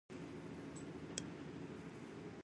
It was cut to take narrowboats long and wide.